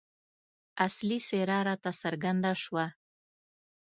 اصلي څېره راته څرګنده شوه.